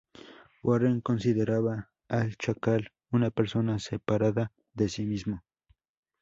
Warren consideraba al Chacal una persona separada de sí mismo.